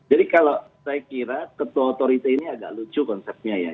jadi kalau saya kira ketua otorita ini agak lucu konsepnya ya